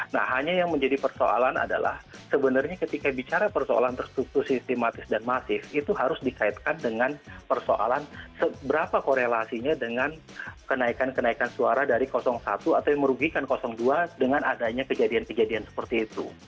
nah hanya yang menjadi persoalan adalah sebenarnya ketika bicara persoalan terstruktur sistematis dan masif itu harus dikaitkan dengan persoalan seberapa korelasinya dengan kenaikan kenaikan suara dari satu atau yang merugikan dua dengan adanya kejadian kejadian seperti itu